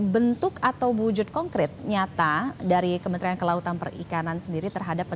bentuk atau wujud konkret nyata dari kementerian kelautan perikanan sendiri terhadap